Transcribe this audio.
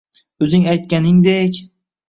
O’zing aytganingdek